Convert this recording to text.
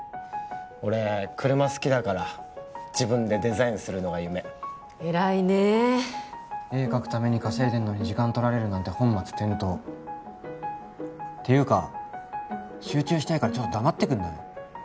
俺車好きだから自分でデザインするのが夢偉いねえ絵描くために稼いでんのに時間取られるなんて本末転倒っていうか集中したいからちょっと黙ってくんない？